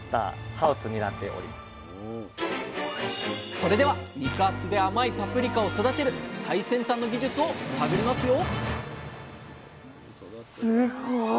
それでは肉厚で甘いパプリカを育てる最先端の技術を探りますよ！